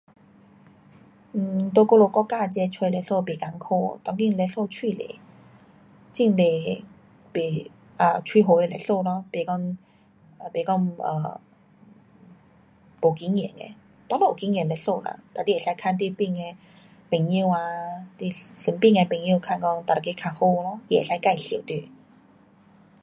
um 在我们国家这找律师不困苦。当今律师蛮多，很多不，um 蛮好的律师咯。不讲，不讲 um 没经验的，多数有经验的律师啦。哒你可以问边边的朋友啊，你身边呀朋友问讲哪一个较好咯。他可以介绍你。